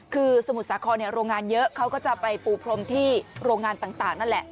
คือสมุทรสาครโรงงานเยอะเขาก็จะไปปูพรมที่โรงงานต่างนั่นแหละ